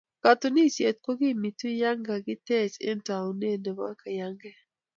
katunisieet kokimiitu ye kakiteech eng tauneet nebo kiyangeei